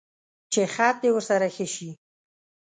چې خط دې ورسره ښه شي.